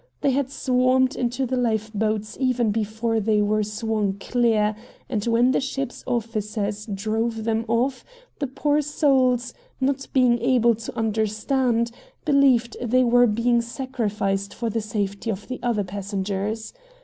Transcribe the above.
They had swarmed into the life boats even before they were swung clear, and when the ship's officers drove them off, the poor souls, not being able to understand, believed they were being sacrificed for the safety of the other passengers.